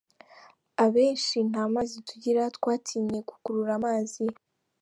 Abenshi nta mazi tugira twatinye gukurura amazi.